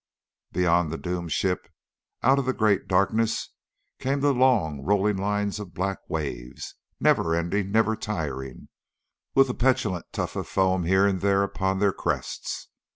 Beyond the doomed ship out of the great darkness came the long rolling lines of black waves, never ending, never tiring, with a petulant tuft of foam here and there upon their crests.